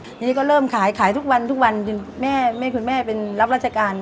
ทีนี้ก็เริ่มขายขายทุกวันทุกวันจนแม่คุณแม่เป็นรับราชการ